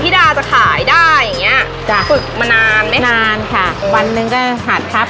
พี่ดาขายดอกบัวมาตั้งแต่อายุ๑๐กว่าขวบ